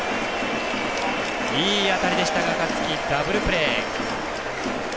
いい当たりでしたが香月、ダブルプレー。